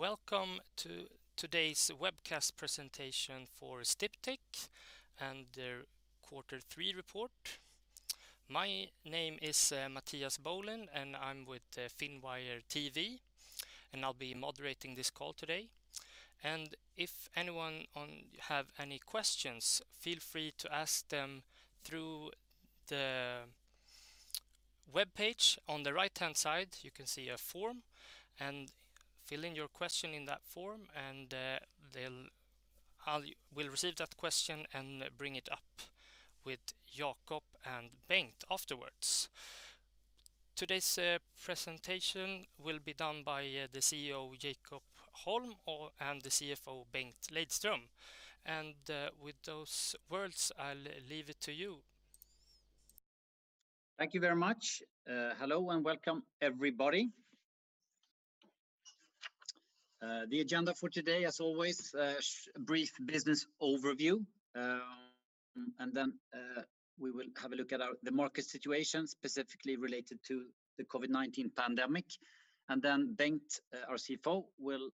Welcome to today's webcast presentation for Sdiptech and their quarter three report. My name is Matthias Bolin, I'm with Finwire TV, and I'll be moderating this call today. If anyone have any questions, feel free to ask them through the webpage. On the right-hand side, you can see a form, and fill in your question in that form, and I will receive that question and bring it up with Jakob and Bengt afterwards. Today's presentation will be done by the CEO, Jakob Holm, and the CFO, Bengt Lejdström. With those words, I'll leave it to you. Thank you very much. Hello and welcome everybody. The agenda for today, as always, a brief business overview, and then we will have a look at the market situation specifically related to the COVID-19 pandemic. Bengt, our CFO, will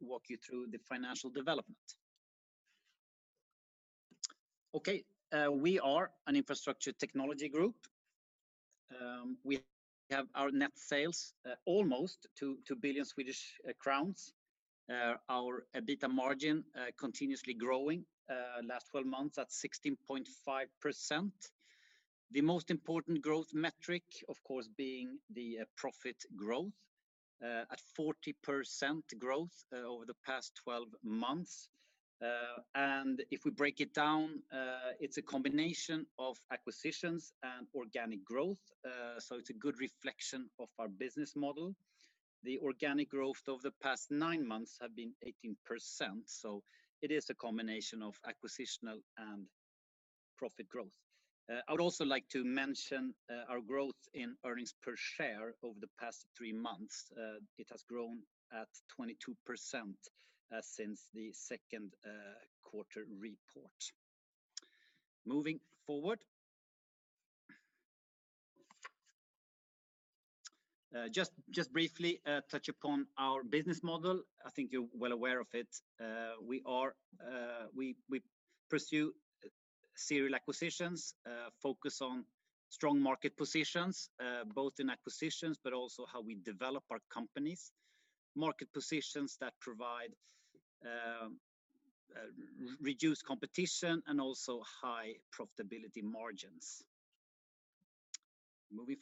walk you through the financial development. Okay. We are an infrastructure technology group. We have our net sales almost 2 billion Swedish crowns. Our EBITA* margin continuously growing last 12 months at 16.5%. The most important growth metric, of course, being the profit growth at 40% growth over the past 12 months. If we break it down, it's a combination of acquisitions and organic growth. It's a good reflection of our business model. The organic growth over the past nine months have been 18%, it is a combination of acquisitional and profit growth. I would also like to mention our growth in earnings per share over the past three months. It has grown at 22% since the second quarter report. Moving forward. Just briefly touch upon our business model. I think you're well aware of it. We pursue serial acquisitions, focus on strong market positions, both in acquisitions but also how we develop our companies. Market positions that provide reduced competition and also high profitability margins. Moving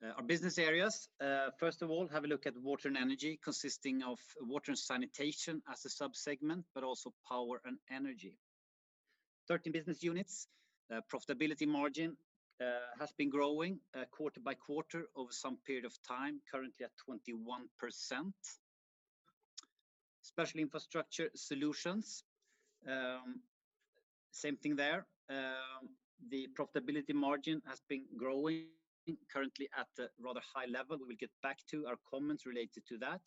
forward. Our business areas. First of all, have a look at Water & Energy, consisting of water and sanitation as a sub-segment, but also power and energy. 13 business units. Profitability margin has been growing quarter by quarter over some period of time, currently at 21%. Special Infrastructure Solutions, same thing there. The profitability margin has been growing currently at a rather high level. We will get back to our comments related to that.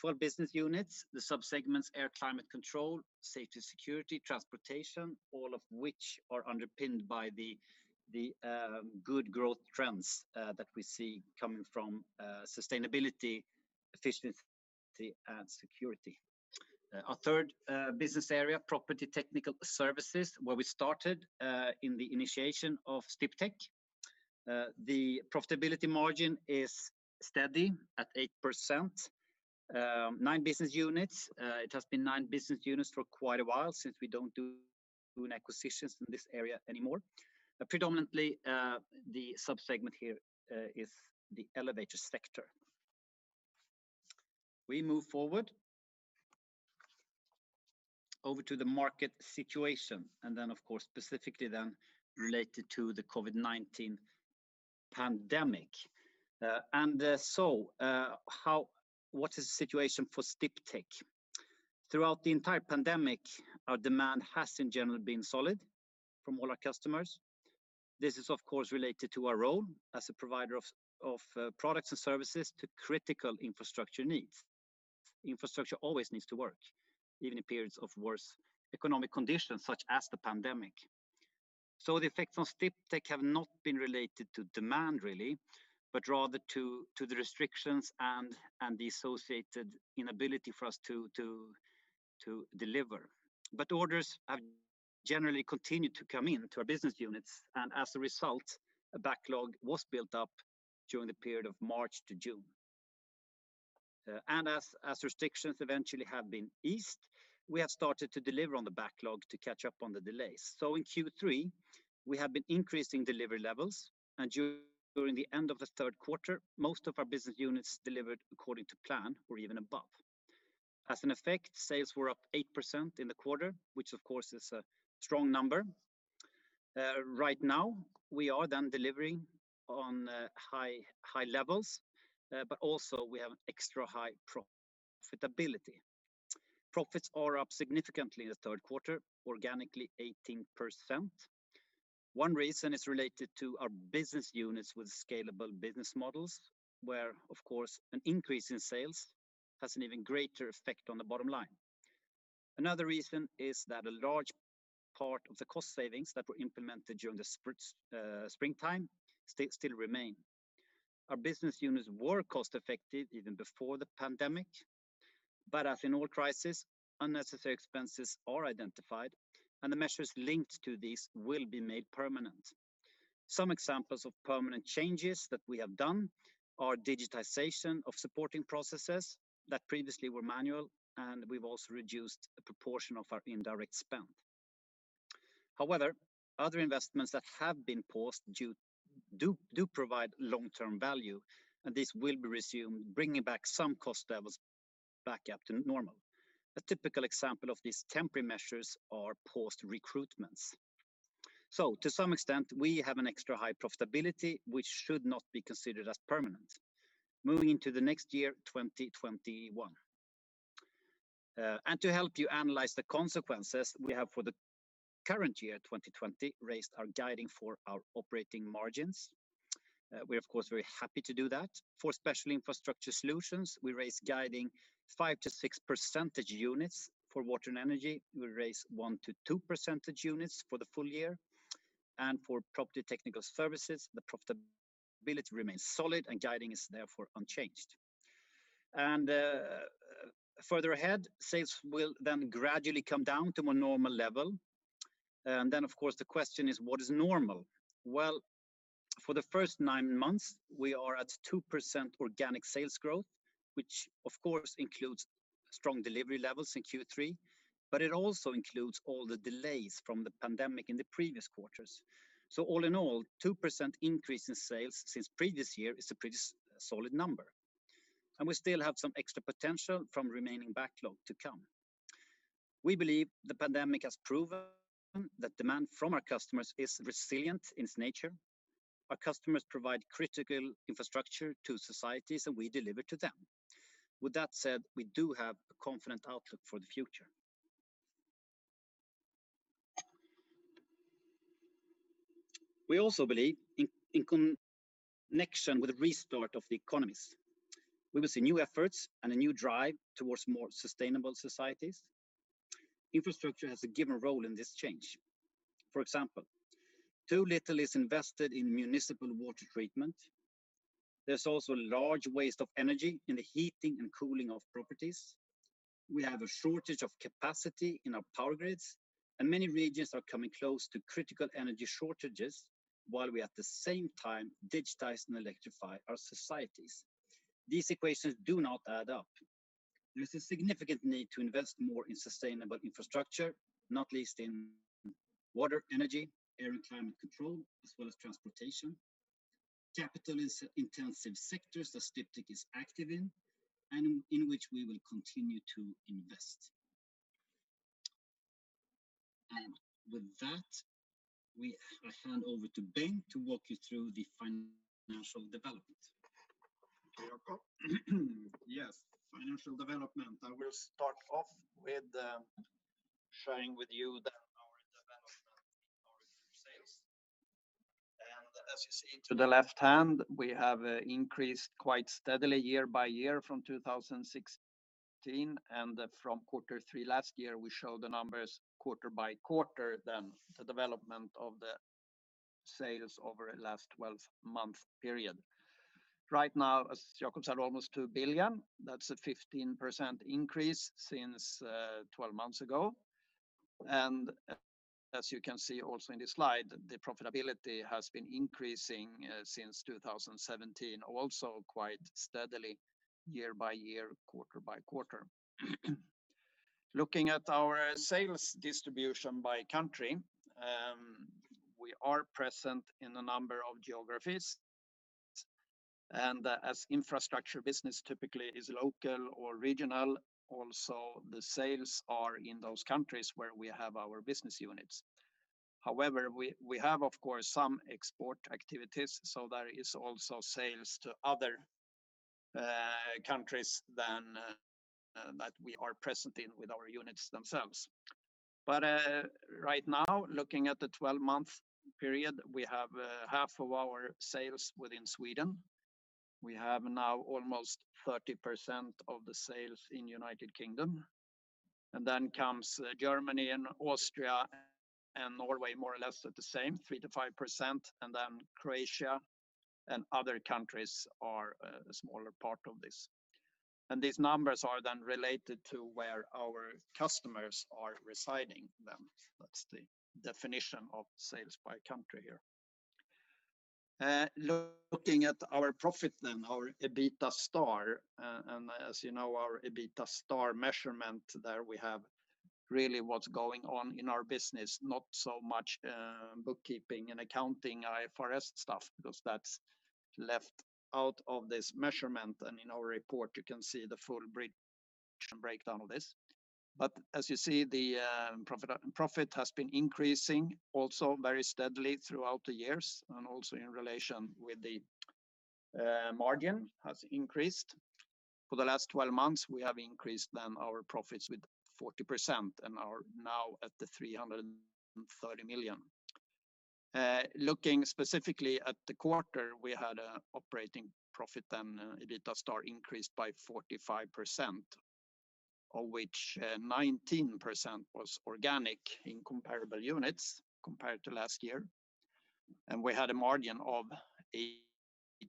12 business units, the sub-segments Air, Climate Control, Safety & Security, Transportation, all of which are underpinned by the good growth trends that we see coming from sustainability, efficiency, and security. Our third business area, Property Technical Services, where we started in the initiation of Sdiptech. The profitability margin is steady at 8%. Nine business units. It has been nine business units for quite a while, since we don't do acquisitions in this area anymore. Predominantly the sub-segment here is the elevator sector. We move forward over to the market situation, and then of course, specifically then related to the COVID-19 pandemic. What is the situation for Sdiptech? Throughout the entire pandemic, our demand has in general been solid from all our customers. This is of course related to our role as a provider of products and services to critical infrastructure needs. Infrastructure always needs to work, even in periods of worse economic conditions such as the pandemic. The effects on Sdiptech have not been related to demand really, but rather to the restrictions and the associated inability for us to deliver. Orders have generally continued to come in to our business units, as a result, a backlog was built up during the period of March to June. As restrictions eventually have been eased, we have started to deliver on the backlog to catch up on the delays. In Q3, we have been increasing delivery levels, and during the end of the third quarter, most of our business units delivered according to plan or even above. As an effect, sales were up 8% in the quarter, which of course is a strong number. Right now we are delivering on high levels but also we have extra high profitability. Profits are up significantly in the third quarter, organically 18%. One reason is related to our business units with scalable business models where, of course, an increase in sales has an even greater effect on the bottom line. Another reason is that a large part of the cost savings that were implemented during the springtime still remain. Our business units were cost-effective even before the pandemic, but as in all crises, unnecessary expenses are identified, and the measures linked to these will be made permanent. Some examples of permanent changes that we have done are digitization of supporting processes that previously were manual, and we've also reduced a proportion of our indirect spend. Other investments that have been paused do provide long-term value, and this will be resumed, bringing back some cost levels back up to normal. A typical example of these temporary measures are paused recruitments. To some extent, we have an extra high profitability, which should not be considered as permanent moving into the next year, 2021. To help you analyze the consequences we have for the current year, 2020, raised our guiding for our operating margins. We are, of course, very happy to do that. For Special Infrastructure Solutions, we raise guiding 5 to 6 percentage units. For Water & Energy, we raise 1 to 2 percentage units for the full year. For Property Technical Services, the profitability remains solid and guiding is therefore unchanged. Further ahead, sales will gradually come down to a normal level. Of course, the question is, what is normal? For the first nine months, we are at 2% organic sales growth, which, of course, includes strong delivery levels in Q3, but it also includes all the delays from the pandemic in the previous quarters. All in all, 2% increase in sales since previous year is a pretty solid number, and we still have some extra potential from remaining backlog to come. We believe the pandemic has proven that demand from our customers is resilient in its nature. Our customers provide critical infrastructure to societies, and we deliver to them. With that said, we do have a confident outlook for the future. We also believe in connection with the restart of the economies, we will see new efforts and a new drive towards more sustainable societies. Infrastructure has a given role in this change. For example, too little is invested in municipal water treatment. There is also large waste of energy in the heating and cooling of properties. We have a shortage of capacity in our power grids, and many regions are coming close to critical energy shortages while we at the same time digitize and electrify our societies. These equations do not add up. There is a significant need to invest more in sustainable infrastructure, not least in water, energy, air, and climate control, as well as transportation. Capital is an intensive sector that Sdiptech is active in and in which we will continue to invest. With that, I hand over to Bengt to walk you through the financial development. Thank you, Jakob. Financial development. I will start off with sharing with you our development in our sales. As you see to the left hand, we have increased quite steadily year by year from 2016. From quarter three last year, we show the numbers quarter by quarter, then the development of the sales over a last 12-month period. Right now, as Jakob said, almost 2 billion. That's a 15% increase since 12 months ago. As you can see also in this slide, the profitability has been increasing since 2017, also quite steadily year by year, quarter by quarter. Looking at our sales distribution by country, we are present in a number of geographies, and as infrastructure business typically is local or regional, also the sales are in those countries where we have our business units. However, we have, of course, some export activities, so there is also sales to other countries that we are present in with our units themselves. Right now, looking at the 12-month period, we have half of our sales within Sweden. We have now almost 30% of the sales in U.K. Then comes Germany and Austria and Norway, more or less at the same, 3%-5%. Then Croatia and other countries are a smaller part of this. These numbers are then related to where our customers are residing then. That's the definition of sales by country here. Looking at our profit then, our EBITA*, and as you know, our EBITA* measurement there, we have really what's going on in our business, not so much bookkeeping and accounting IFRS stuff, because that's left out of this measurement. In our report, you can see the full breakdown of this. As you see, the profit has been increasing also very steadily throughout the years and also in relation with the margin has increased. For the last 12 months, we have increased then our profits with 40% and are now at the 330 million. Looking specifically at the quarter, we had an operating profit, and EBITA* increased by 45%, of which 19% was organic in comparable units compared to last year. We had a margin of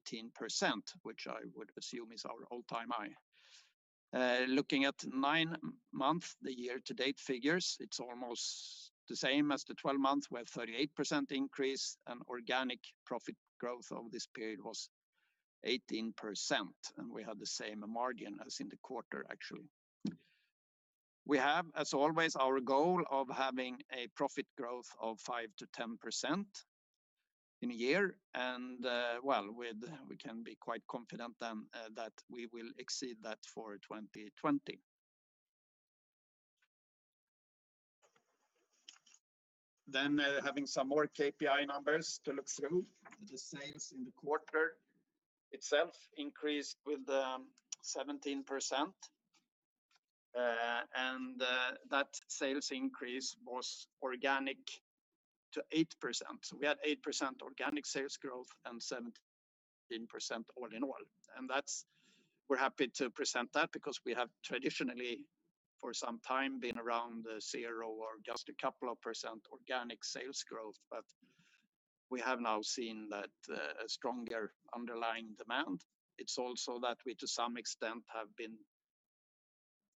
18%, which I would assume is our all-time high. Looking at nine-month, the year-to-date figures, it's almost the same as the 12-month, with 38% increase and organic profit growth over this period was 18%, and we had the same margin as in the quarter, actually. We have, as always, our goal of having a profit growth of 5%-10% in a year, and we can be quite confident that we will exceed that for 2020. Having some more KPI numbers to look through. The sales in the quarter itself increased with 17%, and that sales increase was organic to 8%. We had 8% organic sales growth and 17% all in all. We're happy to present that because we have traditionally, for some time, been around 0% or just a couple of percent organic sales growth, we have now seen a stronger underlying demand. It's also that we, to some extent, have been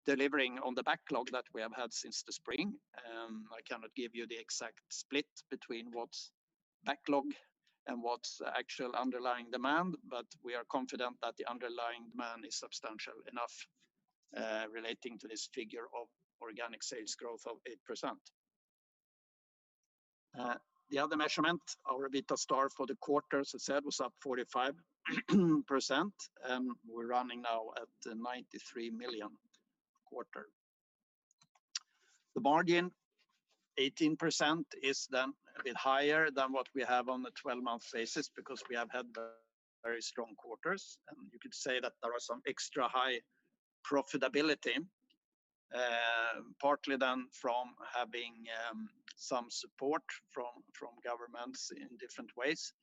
delivering on the backlog that we have had since the spring. I cannot give you the exact split between what's backlog and what's actual underlying demand, but we are confident that the underlying demand is substantial enough relating to this figure of organic sales growth of 8%. The other measurement, our EBITA* for the quarter, as I said, was up 45%, and we're running now at 93 million quarter. The margin, 18%, is then a bit higher than what we have on the 12-month basis because we have had very strong quarters, and you could say that there are some extra high profitability, partly then from having some support from governments in different ways,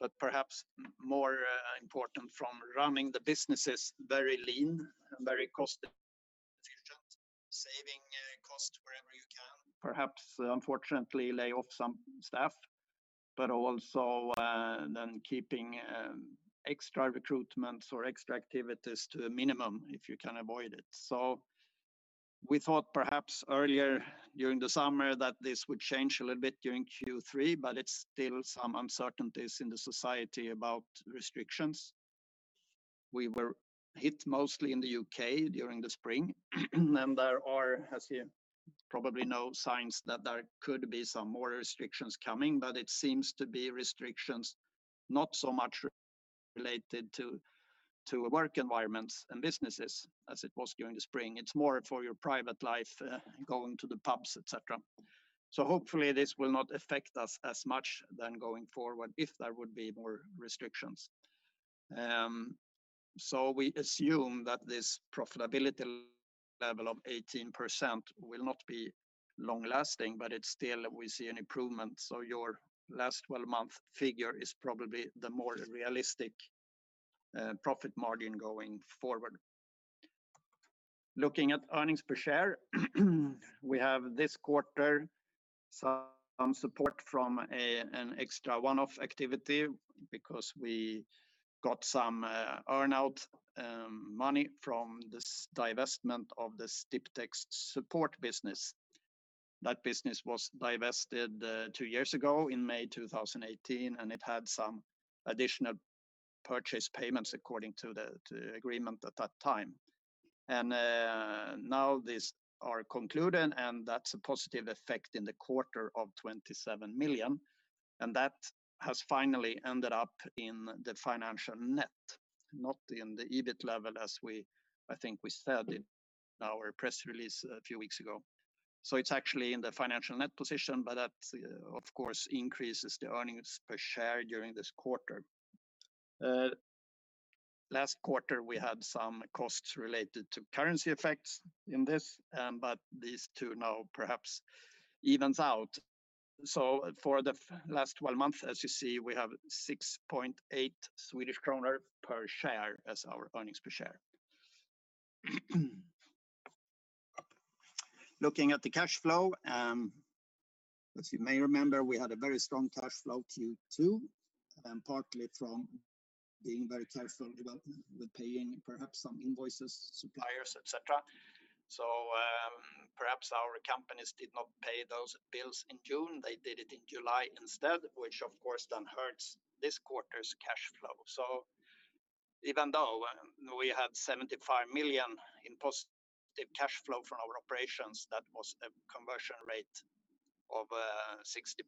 but perhaps more important from running the businesses very lean, very cost efficient, saving cost wherever you can. Perhaps, unfortunately, lay off some staff, but also then keeping extra recruitments or extra activities to a minimum if you can avoid it. We thought perhaps earlier during the summer that this would change a little bit during Q3, but it's still some uncertainties in the society about restrictions. We were hit mostly in the U.K. during the spring, and there are, as you probably know, signs that there could be some more restrictions coming, but it seems to be restrictions not so much related to work environments and businesses as it was during the spring. It's more for your private life, going to the pubs, et cetera. Hopefully this will not affect us as much then going forward if there would be more restrictions. We assume that this profitability level of 18% will not be long-lasting, but it's still we see an improvement. Your last 12-month figure is probably the more realistic profit margin going forward. Looking at earnings per share, we have this quarter some support from an extra one-off activity because we got some earn-out money from this divestment of the Sdiptech support business. That business was divested two years ago in May 2018, and it had some additional purchase payments according to the agreement at that time. Now these are concluded, and that's a positive effect in the quarter of 27 million. That has finally ended up in the financial net, not in the EBIT level as I think we said in our press release a few weeks ago. It's actually in the financial net position, but that, of course, increases the earnings per share during this quarter. Last quarter, we had some costs related to currency effects in this, but these two now perhaps evens out. For the last 12 months, as you see, we have 6.8 Swedish kronor per share as our earnings per share. Looking at the cash flow, as you may remember, we had a very strong cash flow Q2, partly from being very careful about paying perhaps some invoices, suppliers, et cetera. Perhaps our companies did not pay those bills in June. They did it in July instead, which of course then hurts this quarter's cash flow. Even though we had 75 million in positive cash flow from our operations, that was a conversion rate of 60%,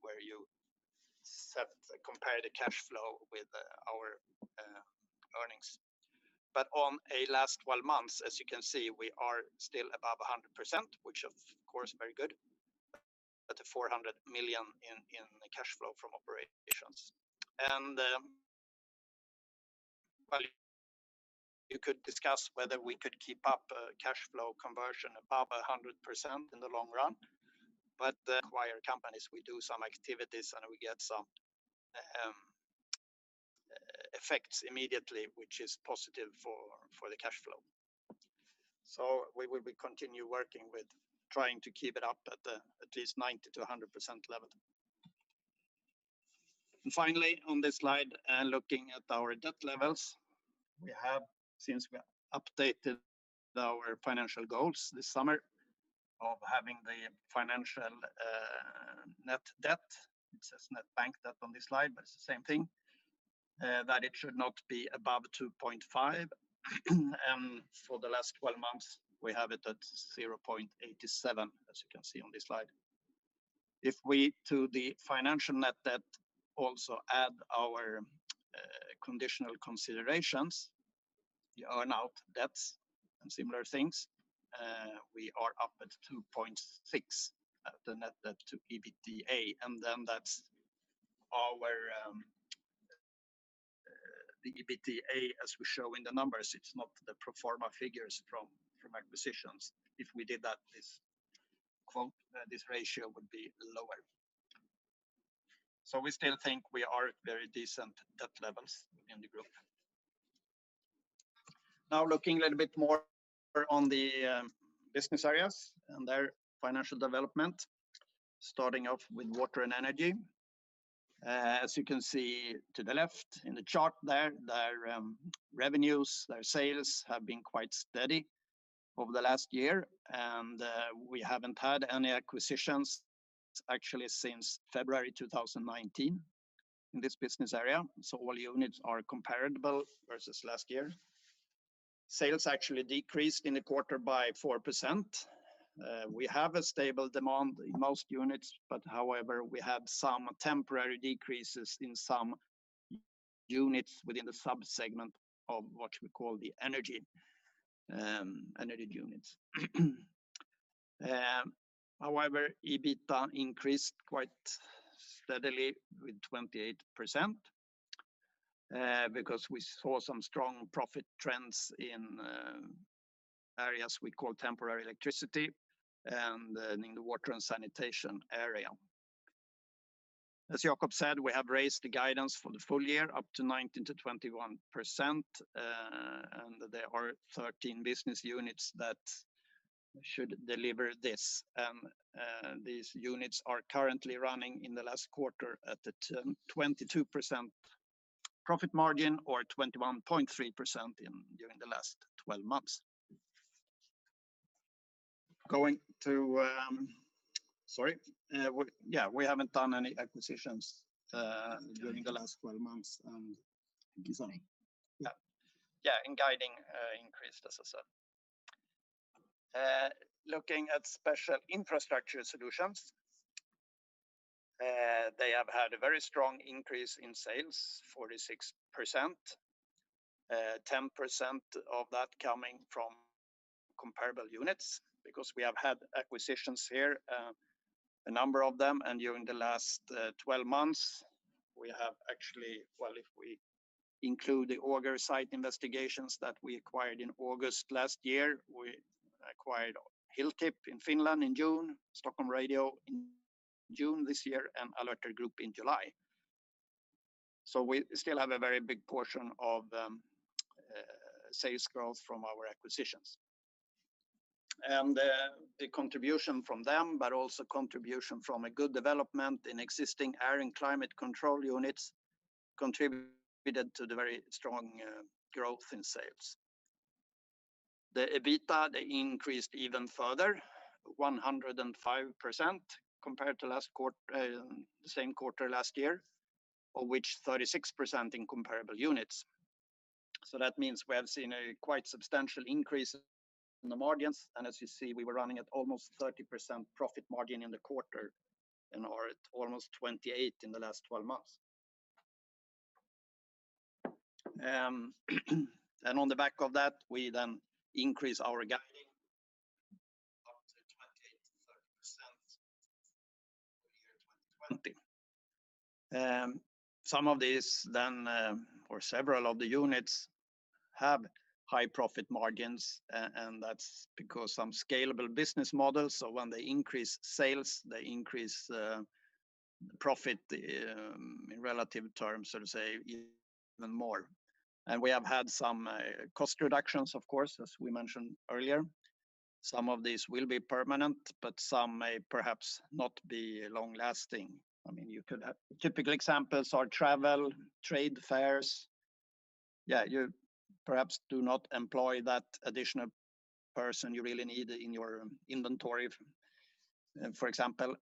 where you compare the cash flow with our earnings. On a last 12 months, as you can see, we are still above 100%, which is of course very good at the 400 million in cash flow from operations. You could discuss whether we could keep up cash flow conversion above 100% in the long run. Acquire companies, we do some activities, and we get some effects immediately, which is positive for the cash flow. We will continue working with trying to keep it up at least 90%-100% level. Finally, on this slide, looking at our debt levels, we have, since we updated our financial goals this summer, of having the financial net debt, it says net bank debt on this slide, but it's the same thing, that it should not be above 2.5. For the last 12 months, we have it at 0.87, as you can see on this slide. If we, to the financial net debt, also add our conditional considerations, the earn-out debts and similar things, we are up at 2.6 at the net debt to EBITDA*. The EBITDA*, as we show in the numbers, it's not the pro forma figures from acquisitions. If we did that, this ratio would be lower. We still think we are at very decent debt levels in the group. Looking a little bit more on the business areas and their financial development, starting off with Water & Energy. As you can see to the left in the chart there, their revenues, their sales have been quite steady over the last year, and we haven't had any acquisitions actually since February 2019 in this business area. All units are comparable versus last year. Sales actually decreased in the quarter by 4%. We have a stable demand in most units, but however, we had some temporary decreases in some units within the sub-segment of what we call the energy units. However, EBITA* increased quite steadily with 28%, because we saw some strong profit trends in areas we call temporary electricity and in the water and sanitation area. As Jakob said, we have raised the guidance for the full year up to 19%-21%, and there are 13 business units that should deliver this. These units are currently running in the last quarter at a 22% profit margin or 21.3% during the last 12 months. Sorry. We haven't done any acquisitions during the last 12 months. Yeah, guiding increased, as I said. Looking at Special Infrastructure Solutions, they have had a very strong increase in sales, 46%, 10% of that coming from comparable units, because we have had acquisitions here, a number of them. During the last 12 months, we have actually, if we include the Auger Site Investigations that we acquired in August last year, we acquired Hilltip in Finland in June, Stockholmradio in June this year, and Alerter Group in July. We still have a very big portion of sales growth from our acquisitions. The contribution from them, but also contribution from a good development in existing air and climate control units contributed to the very strong growth in sales. The EBITA* increased even further, 105% compared to the same quarter last year, of which 36% in comparable units. That means we have seen a quite substantial increase in the margins. As you see, we were running at almost 30% profit margin in the quarter and are at almost 28% in the last 12 months. On the back of that, we then increase our guiding up to 28%-30% for the year 2020. Several of the units have high profit margins, and that's because some scalable business models. When they increase sales, they increase profit in relative terms, so to say, even more. We have had some cost reductions, of course, as we mentioned earlier. Some of these will be permanent, but some may perhaps not be long-lasting. Typical examples are travel, trade fairs. You perhaps do not employ that additional person you really need in your inventory, for example.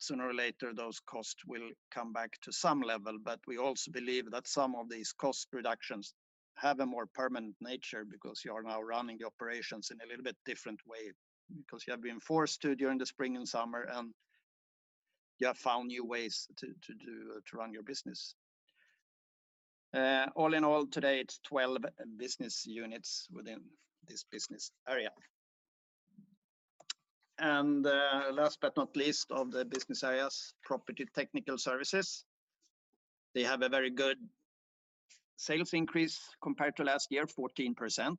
Sooner or later, those costs will come back to some level. We also believe that some of these cost reductions have a more permanent nature because you are now running the operations in a little bit different way because you have been forced to during the spring and summer, and you have found new ways to run your business. All in all, today it's 12 business units within this business area. Last but not least of the business areas, Property Technical Services. They have a very good sales increase compared to last year, 14%.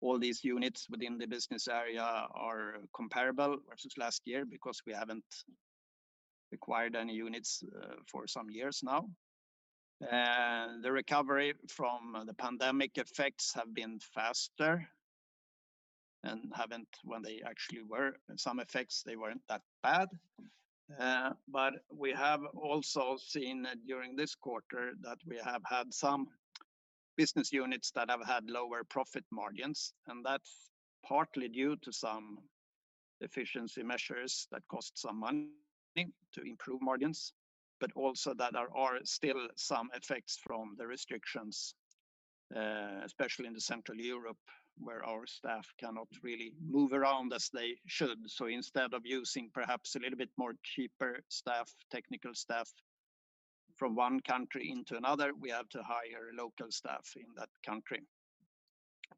All these units within the business area are comparable versus last year because we haven't acquired any units for some years now. The recovery from the pandemic effects have been faster and some effects weren't that bad. We have also seen during this quarter that we have had some business units that have had lower profit margins, and that's partly due to some efficiency measures that cost some money to improve margins, but also that there are still some effects from the restrictions, especially in the Central Europe, where our staff cannot really move around as they should. Instead of using perhaps a little bit more cheaper technical staff from one country into another, we have to hire local staff in that country,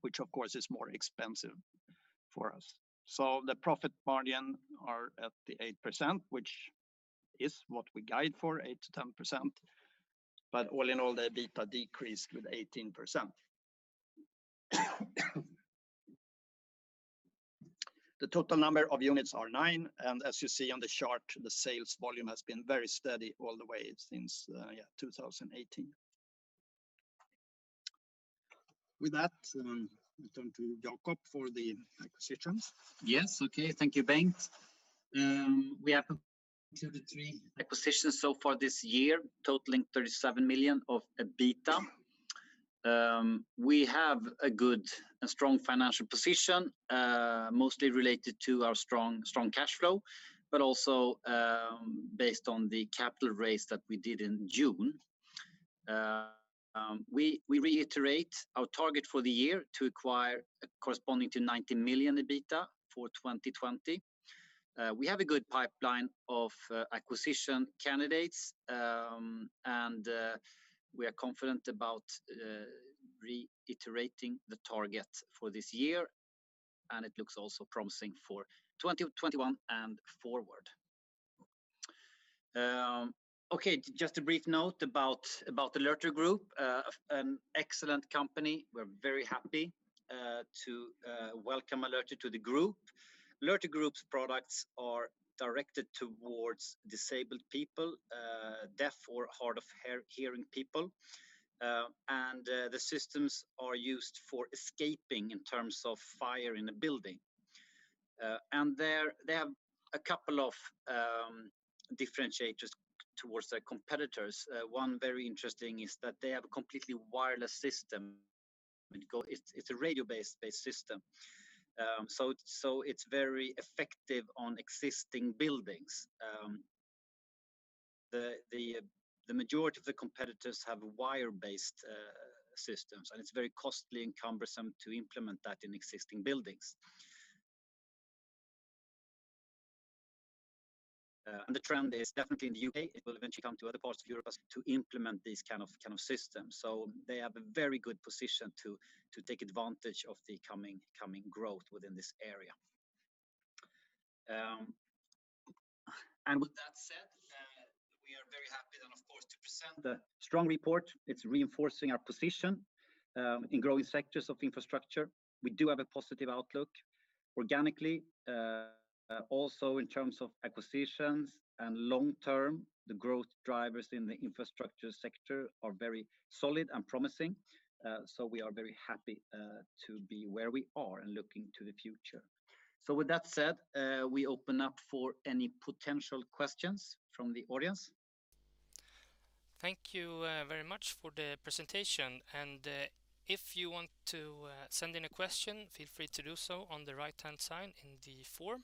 which of course is more expensive for us. The profit margin are at the 8%, which is what we guide for, 8%-10%. All in all, the EBITA* decreased with 18%. The total number of units are nine, and as you see on the chart, the sales volume has been very steady all the way since 2018. With that, we turn to Jakob for the acquisitions. Yes. Okay. Thank you, Bengt. We have two of the three acquisitions so far this year, totaling 37 million of EBITA*. We have a good and strong financial position, mostly related to our strong cash flow, but also based on the capital raise that we did in June. We reiterate our target for the year to acquire corresponding to 90 million EBITA* for 2020. We have a good pipeline of acquisition candidates. We are confident about reiterating the target for this year. It looks also promising for 2021 and forward. Okay, just a brief note about Alerter Group, an excellent company. We are very happy to welcome Alerter to the group. Alerter Group's products are directed towards disabled people, deaf or hard of hearing people. The systems are used for escaping in terms of fire in a building. They have a couple of differentiators towards their competitors. One very interesting is that they have a completely wireless system. It's a radio-based system. It's very effective on existing buildings. The majority of the competitors have wire-based systems, and it's very costly and cumbersome to implement that in existing buildings. The trend is definitely in the U.K., it will eventually come to other parts of Europe, to implement these kind of systems. They have a very good position to take advantage of the coming growth within this area. With that said, we are very happy and of course to present the strong report. It's reinforcing our position in growing sectors of infrastructure. We do have a positive outlook organically also in terms of acquisitions and long term, the growth drivers in the infrastructure sector are very solid and promising. We are very happy to be where we are and looking to the future. With that said, we open up for any potential questions from the audience. Thank you very much for the presentation. If you want to send in a question, feel free to do so on the right-hand side in the form.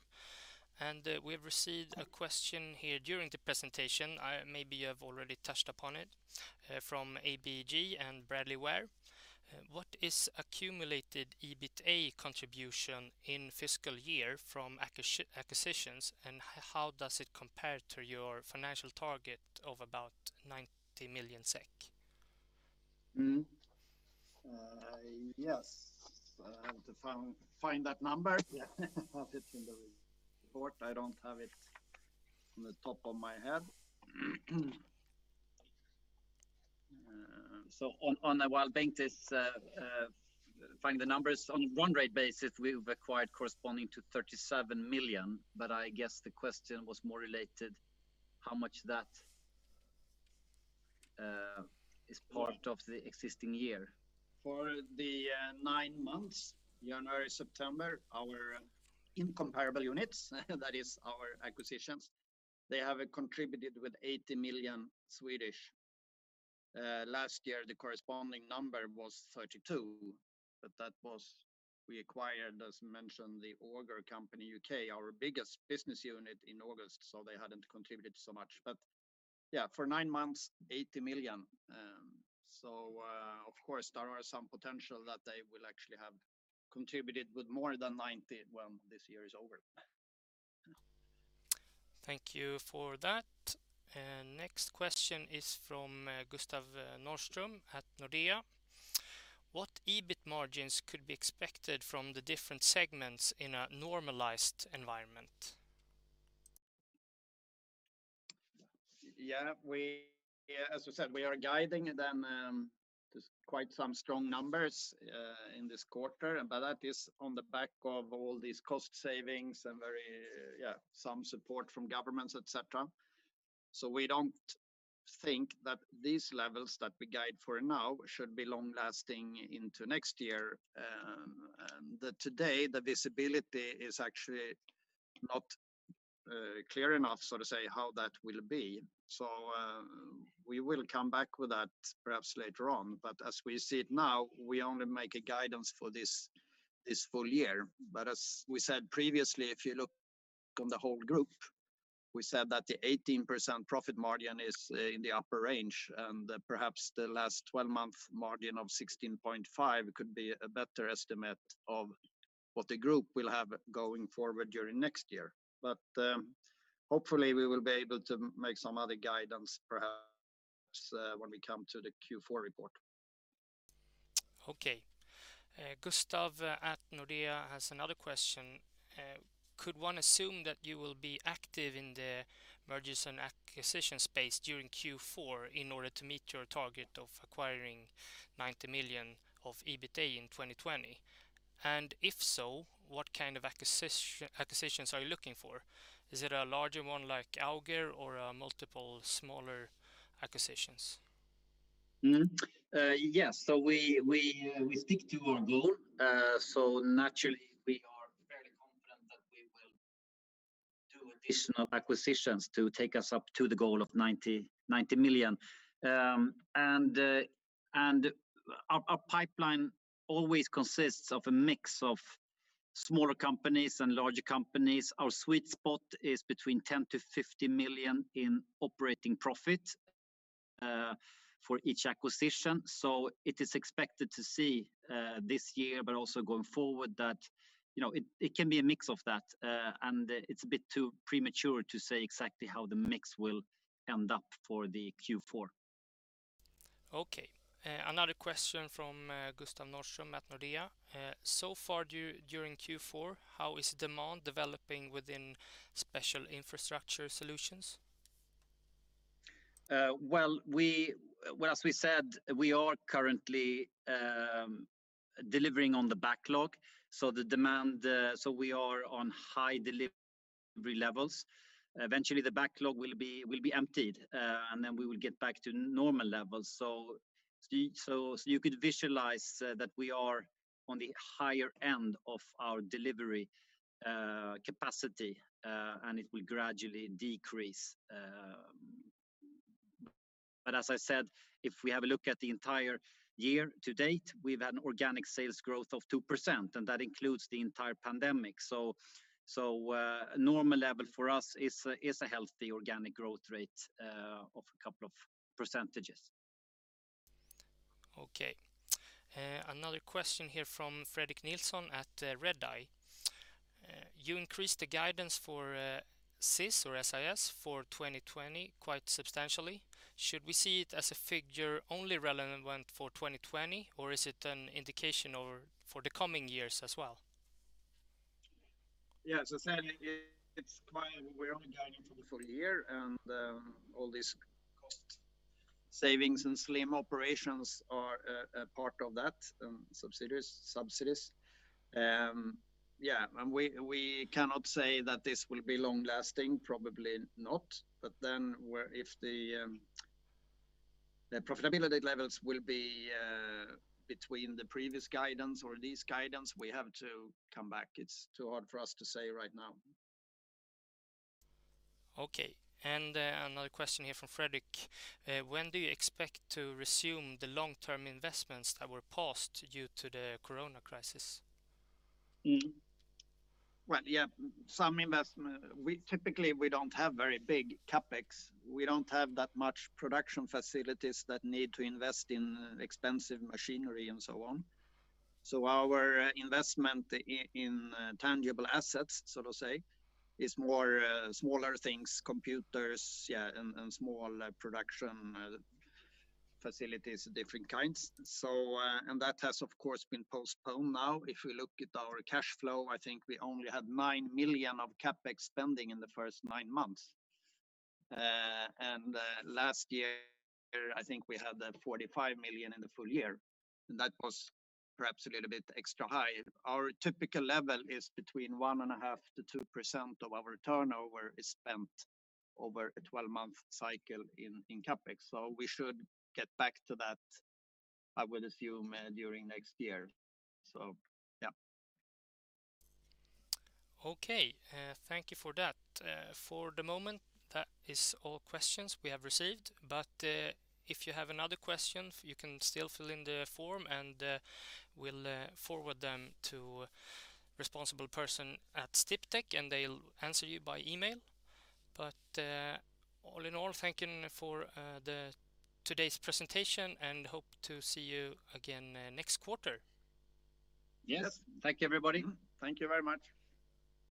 We have received a question here during the presentation, maybe you have already touched upon it, from ABG and Bradley Ware. What is accumulated EBITA* contribution in fiscal year from acquisitions, and how does it compare to your financial target of about 90 million SEK? Yes. I have to find that number. I have it in the report. I don't have it on the top of my head. While Bengt is finding the numbers, on a run rate basis, we've acquired corresponding to 37 million, but I guess the question was more related how much that is part of the existing year. For the nine months, January, September, our incomparable units, that is our acquisitions, they have contributed with 80 million. Last year, the corresponding number was 32 million, we acquired, as mentioned, the Auger company U.K., our biggest business unit in August, so they hadn't contributed so much. Yeah, for nine months, 80 million. Of course, there are some potential that they will actually have contributed with more than 90 when this year is over. Thank you for that. Next question is from Gustav Norström at Nordea. What EBIT margins could be expected from the different segments in a normalized environment? As we said, we are guiding them. There's quite some strong numbers in this quarter, but that is on the back of all these cost savings and some support from governments, et cetera. We don't think that these levels that we guide for now should be long-lasting into next year. Today, the visibility is actually not clear enough, so to say, how that will be. We will come back with that perhaps later on. As we see it now, we only make a guidance for this full year. As we said previously, if you look on the whole group, we said that the 18% profit margin is in the upper range, and perhaps the last 12-month margin of 16.5% could be a better estimate of what the group will have going forward during next year. Hopefully, we will be able to make some other guidance perhaps when we come to the Q4 report. Okay. Gustav at Nordea has another question. Could one assume that you will be active in the mergers and acquisitions space during Q4 in order to meet your target of acquiring 90 million of EBITA* in 2020? If so, what kind of acquisitions are you looking for? Is it a larger one like Auger or multiple smaller acquisitions? Yes. We stick to our goal. Naturally, we are fairly confident that we will do additional acquisitions to take us up to the goal of SEK 90 million. Our pipeline always consists of a mix of smaller companies and larger companies. Our sweet spot is between 10 million-50 million in operating profit for each acquisition. It is expected to see this year, but also going forward that it can be a mix of that, and it's a bit too premature to say exactly how the mix will end up for the Q4. Okay. Another question from Gustav Norström at Nordea. So far during Q4, how is demand developing within Special Infrastructure Solutions? Well, as we said, we are currently delivering on the backlog. We are on high delivery levels. Eventually, the backlog will be emptied, and then we will get back to normal levels. You could visualize that we are on the higher end of our delivery capacity, and it will gradually decrease. As I said, if we have a look at the entire year to date, we've had an organic sales growth of 2%, and that includes the entire pandemic. A normal level for us is a healthy organic growth rate of a couple of percentages. Okay. Another question here from Fredrik Nilsson at Redeye. You increased the guidance for SIS or SIS for 2020 quite substantially. Should we see it as a figure only relevant for 2020, or is it an indication for the coming years as well? Yeah. As I said, we're only guiding for the full year and all these cost savings and slim operations are a part of that, subsidies. Yeah. We cannot say that this will be long-lasting. Probably not. If the profitability levels will be between the previous guidance or this guidance, we have to come back. It's too hard for us to say right now. Okay. Another question here from Fredrik. When do you expect to resume the long-term investments that were paused due to the corona crisis? Yeah. Typically, we don't have very big CapEx. We don't have that much production facilities that need to invest in expensive machinery and so on. Our investment in tangible assets, so to say, is more smaller things, computers, yeah, and small production facilities of different kinds. That has, of course, been postponed now. If we look at our cash flow, I think we only had 9 million of CapEx spending in the first nine months. Last year, I think we had 45 million in the full year. That was perhaps a little bit extra high. Our typical level is between 1.5%-2% of our turnover is spent over a 12-month cycle in CapEx. We should get back to that, I would assume, during next year. Yeah. Okay. Thank you for that. For the moment, that is all questions we have received, but if you have another question, you can still fill in the form, and we'll forward them to responsible person at Sdiptech, and they'll answer you by email. All in all, thank you for today's presentation, and hope to see you again next quarter. Yes. Thank you, everybody. Thank you very much.